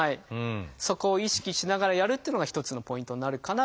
そこを意識しながらやるっていうのが一つのポイントになるかなと。